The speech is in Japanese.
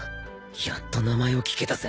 やっと名前を聞けたぜ